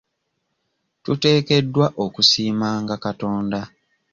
Tuteekeddwa okusiimanga Katonda.